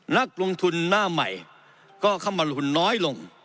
นักลงทุนหน้าใหม่ก็คำบรรคุณน้อยลง